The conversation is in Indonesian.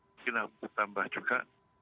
mungkin aku tambah juga